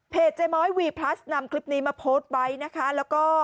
เจ๊ม้อยวีพลัสนำคลิปนี้มาโพสต์ไว้นะคะแล้วก็